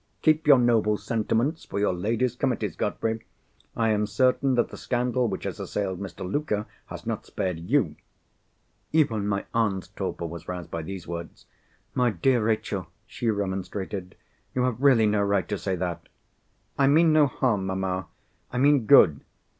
"Keep your noble sentiments for your Ladies' Committees, Godfrey. I am certain that the scandal which has assailed Mr. Luker, has not spared You." Even my aunt's torpor was roused by those words. "My dear Rachel," she remonstrated, "you have really no right to say that!" "I mean no harm, mamma—I mean good.